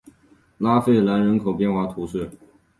拉费兰人口变化图示